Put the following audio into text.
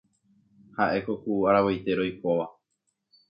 ha'éko ku aravoitére oikóva.